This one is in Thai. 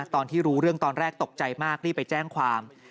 ตอนที่รู้เรื่องตอนแรกตกใจมากรีบไปแจ้งความ